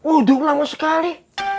uduk lama sekali